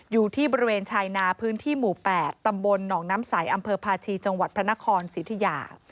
อยู่ที่บริเวณชายนาพื้นที่หมู่๘ตำบลหนองน้ำใสอำเภอภาชีจังหวัดพระนครสิทธิยา